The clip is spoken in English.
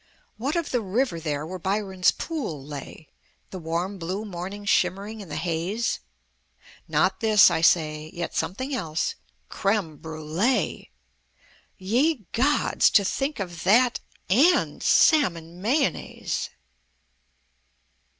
What of the river there where Byron's Pool lay, The warm blue morning shimmering in the haze?" Not this (I say) ... Yet something else ... Creme Brûlée! Ye gods! to think of that and Salmon Mayonnaise!